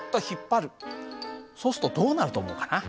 そうするとどうなると思うかな？